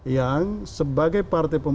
yang sebagai partai politik